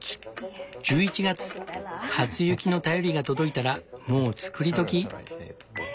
１１月初雪の便りが届いたらもう作り時。